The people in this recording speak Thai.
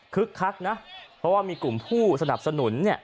คักนะเพราะว่ามีกลุ่มผู้สนับสนุนเนี่ย